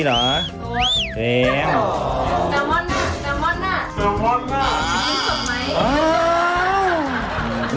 โอ้โหโอ้โหโอ้โห